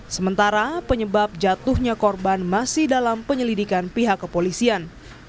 sementara penyebab jatuhnya korban masih dalam penyelidikan pihak kepolisian